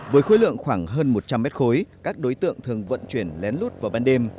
với khối lượng khoảng hơn một trăm linh mét khối các đối tượng thường vận chuyển lén lút vào ban đêm